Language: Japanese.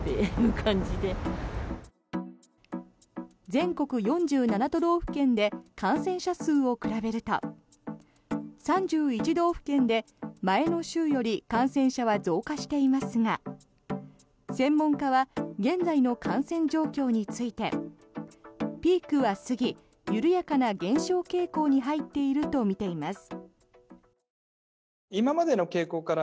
全国４７都道府県で感染者数を比べると３１道府県で、前の週より感染者は増加していますが専門家は現在の感染状況についてピークは過ぎ緩やかな減少傾向に入っているとみています。